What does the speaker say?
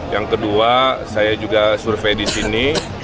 yang kedua saya juga survei di sini